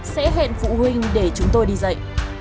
sẽ hẹn phụ huynh để chúng tôi đi dạy